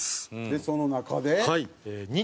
でその中で？